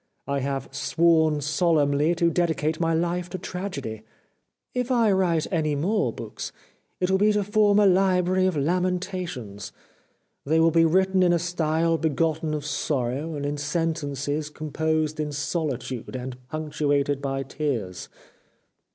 I have sworn solemnly to dedicate my life to Tragedy. If I write any more books, it will be to form a library of lamentations. They will be written in a style begotten of sorrow, and in sentences composed in solitude, and punctuated by tears.